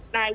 nah itu ya